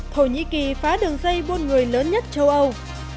thổ nhĩ kỳ phá đường dây buôn người lớn nhất châu âu